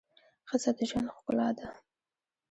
ښځه د ژوند ښکلا ده